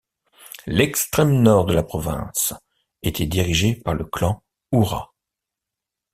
L'extrême nord de la province était dirigée par le clan Oura.